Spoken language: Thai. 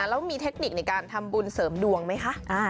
แล้วมีเทคนิคในการทำบุญเสริมดวงไหมคะ